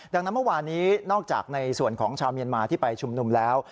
ดังนั้นเมื่อวานนี้นอกจากในส่วนของชาวเมียนมาที่ไปชุมนุมแล้ว